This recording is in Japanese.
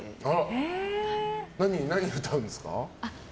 何歌うんですか？